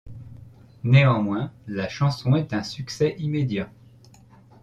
Néanmoins, la chanson est un succès immédiat.